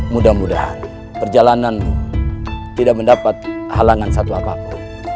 mudah mudahan perjalananmu tidak mendapat halangan satu apapun